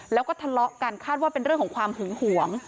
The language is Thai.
แล้วก็ทะเลาะกันคาดว่าเป็นเรื่องของความหึงหวง